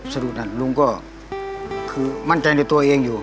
สรุปนั้นลุงก็คือมั่นใจในตัวเองอยู่